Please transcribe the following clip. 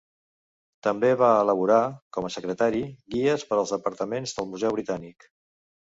També va elaborar, com a secretari, guies per als departaments del Museu Britànic.